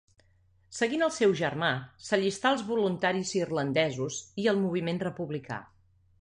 Seguint el seu germà, s'allistà als Voluntaris Irlandesos i al moviment republicà.